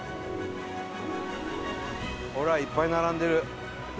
ほらいっぱい並んでる。